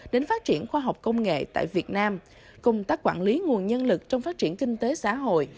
đến phát triển khoa học công nghệ tại việt nam công tác quản lý nguồn nhân lực trong phát triển kinh tế xã hội